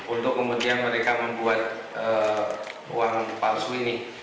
untuk kemudian mereka membuat uang palsu ini